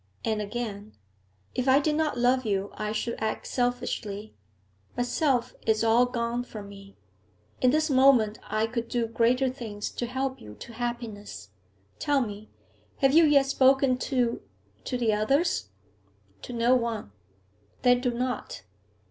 And again 'If I did not love you, I should act selfishly; but self is all gone from me. In this moment I could do greater things to help you to happiness. Tell me; have you yet spoken to to the others?' 'To no one.' 'Then do not.